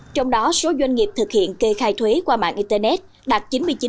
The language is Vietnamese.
trong đó số doanh nghiệp thực hiện kê khai thuế qua mạng internet đạt chín mươi chín chín mươi năm